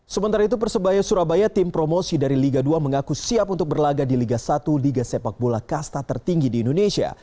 sementara itu persebaya surabaya tim promosi dari liga dua mengaku siap untuk berlaga di liga satu liga sepak bola kasta tertinggi di indonesia